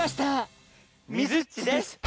みずっちです！